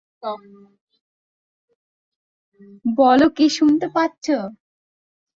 বল কি শুনতে পাচ্ছ।